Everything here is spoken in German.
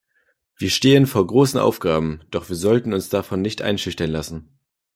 Wir stehen vor großen Aufgaben, doch wir sollten uns davon nicht einschüchtern lassen.